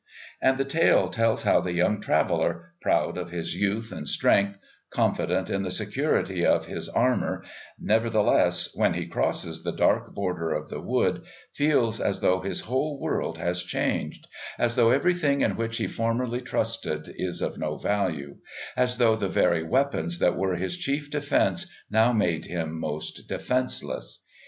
And the tale tells how the young traveller, proud of his youth and strength, confident in the security of his armour, nevertheless, when he crosses the dark border of the wood, feels as though his whole world has changed, as though everything in which he formerly trusted is of no value, as though the very weapons that were his chief defence now made him most defenceless.